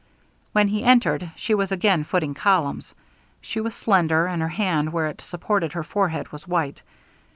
When he entered, she was again footing columns. She was slender, and her hand, where it supported her forehead was white.